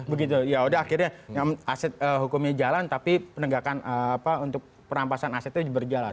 begitu ya udah akhirnya aset hukumnya jalan tapi penegakan apa untuk penampasan asetnya berjalan